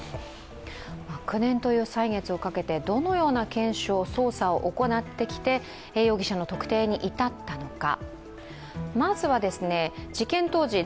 ９年という歳月をかけてどのような検証、捜査を行ってきて、容疑者の特定に至ったのか。